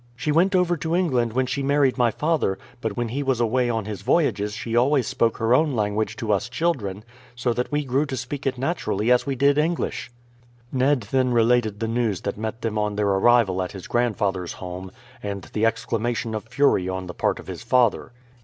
She went over to England when she married my father, but when he was away on his voyages she always spoke her own language to us children, so that we grew to speak it naturally as we did English." Ned then related the news that met them on their arrival at his grandfather's home, and the exclamation of fury on the part of his father.